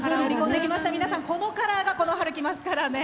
このカラーがこの春、きますからね。